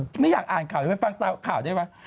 ฮือไม่อยากอ่านข่าวยังไม่ฟังข่าวใช่ไหม